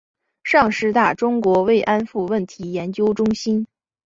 上师大中国慰安妇问题研究中心